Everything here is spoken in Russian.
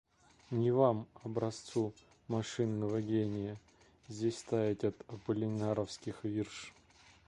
Не вам — образцу машинного гения — здесь таять от аполлинеровских вирш.